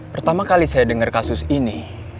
pertama kali saya melakukan ini